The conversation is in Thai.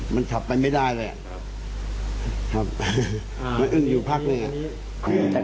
มันจับไปไม่ได้เลยมันอึ้งอยู่ภางแรง